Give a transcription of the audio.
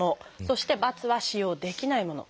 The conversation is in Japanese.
そして「×」は使用できないもの。